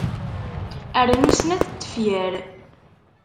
Rnu snat n tefyar.